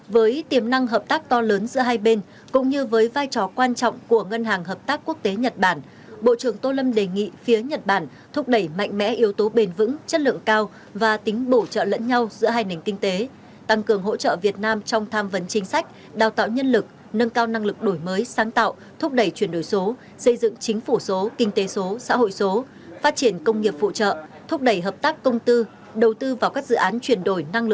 với tiềm năng hợp tác to lớn giữa hai bên cũng như với vai trò quan trọng của ngân hàng hợp tác quốc tế nhật bản bộ trưởng tô lâm đề nghị phía nhật bản thúc đẩy mạnh mẽ yếu tố bền vững chất lượng cao và tính bổ trợ lẫn nhau giữa hai nền kinh tế tăng cường hỗ trợ việt nam trong tham vấn chính sách đào tạo nhân lực nâng cao năng lực đổi mới sáng tạo thúc đẩy chuyển đổi số xây dựng chính phủ số kinh tế số xã hội số phát triển công nghiệp phụ trợ thúc đẩy hợp tác công tư đầu tư vào các d